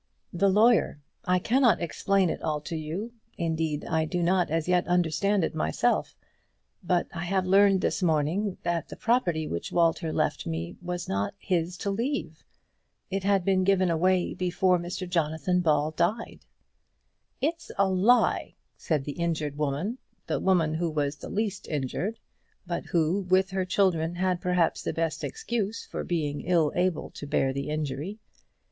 "The lawyer. I cannot explain it all to you; indeed, I do not as yet understand it myself; but I have learned this morning that the property which Walter left me was not his to leave. It had been given away before Mr Jonathan Ball died." "It's a lie!" said the injured woman, the woman who was the least injured, but who, with her children, had perhaps the best excuse for being ill able to bear the injury.